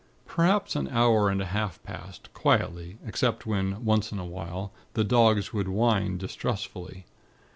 "Perhaps an hour and a half passed, quietly, except when, once in a way, the dogs would whine distressfully.